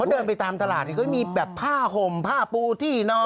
เดินไปตามตลาดเขามีแบบผ้าห่มผ้าปูที่นอน